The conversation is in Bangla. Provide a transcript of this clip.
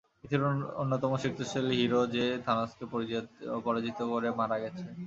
পৃথিবীর অন্যতম শক্তিশালী হিরো যে থানোসকে পরাজিত করে মারা গেছে?